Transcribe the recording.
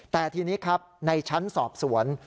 แต่ทีนี้ครับในชั้นสอบสวน